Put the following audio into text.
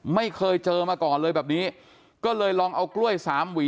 ไม่เคยเจอมาก่อนเลยแบบนี้ก็เลยลองเอากล้วยสามหวี